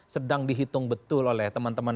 sedang dihitung betul oleh teman teman